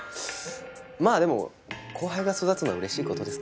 まあでも後輩が育つのは嬉しい事ですから。